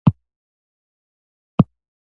د یخنۍ د حساسیت لپاره ګرم کالي واغوندئ